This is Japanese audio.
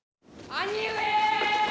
兄上！